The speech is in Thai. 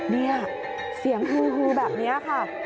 นี่เสียงฮือแบบนี้ค่ะ